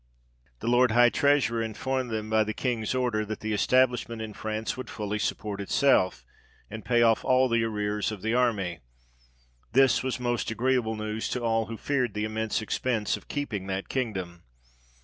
The Lord High Treasurer informed them, by the King's order, that the establishment in France would fully support itself, and pay off all the arrears of the army ; this was most agreeable news to all who feared the immense expence of keeping that kingdom.